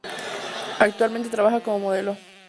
Actualmente, trabaja como modelo.